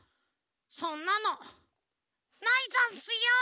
そんなのないざんすよ！